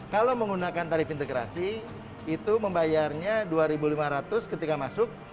kalau menggunakan tarif integrasi itu membayarnya rp dua lima ratus ketika masuk